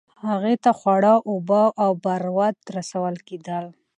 هغې ته خواړه، اوبه او بارود رسول کېدل.